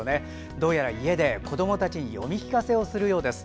どうやら、家で子どもたちに読み聞かせをするようです。